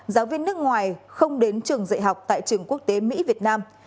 giáo viên nước ngoài không đến trường dạy học tại trường quốc tế mỹ việt nam